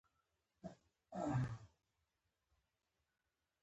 توپک د ولسونو تر منځ کرکه رامنځته کوي.